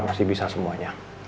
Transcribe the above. masih bisa semuanya